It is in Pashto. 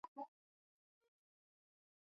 آیا کرنه د افغانستان د اقتصاد ملا تیر دی؟